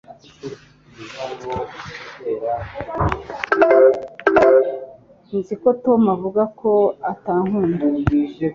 Nzi ko Tom avuga ko atankunda